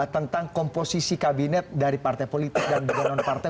tentang komposisi kabinet dari partai politik dan non partai